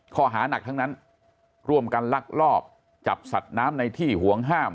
ข้อหานักทั้งนั้นร่วมกันลักลอบจับสัตว์น้ำในที่ห่วงห้าม